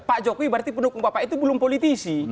pak jokowi berarti pendukung bapak itu belum politisi